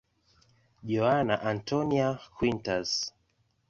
Joana Antónia Quintas.